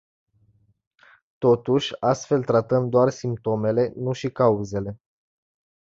Totuși, astfel tratăm doar simptomele, nu și cauzele.